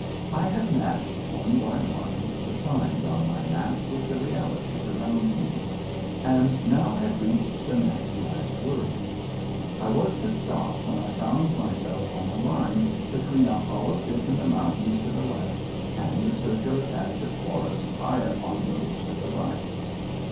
I had matched one by one the signs on my map with the realities around me, and now had reached the map's last word ; I was to stop when I found myself on a line between a hollow dip in the mountains to the left and a circular patch of forest high up on those to the right.